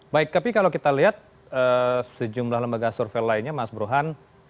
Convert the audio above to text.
baik tapi kalau kita lihat sejumlah lembaga survei lainnya mas burhan